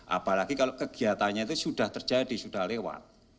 apalagi kalau kegiatannya itu sudah terjadi sudah lewat